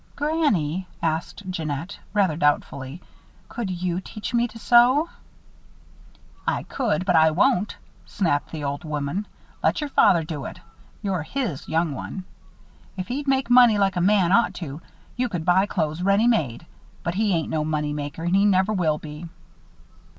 "Granny," asked Jeannette, rather doubtfully, "could you teach me to sew?" "I could, but I won't," snapped the old woman. "Let your father do it your his young one. If he'd make money like a man ought to, you could buy clothes ready made. But he ain't no money maker, and he never will be."